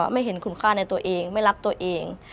ไม่เห็นคุณค่าในตัวเองไม่รักตัวเอง